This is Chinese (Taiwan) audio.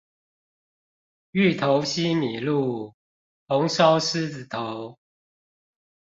芋頭西米露，紅燒獅子頭